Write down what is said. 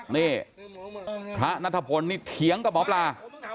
นัทธพลนี่เถียงกับหมอปลา